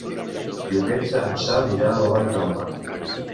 Diumenge en Sam irà a la Vall d'Alba.